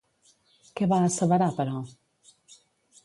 Què va asseverar, però?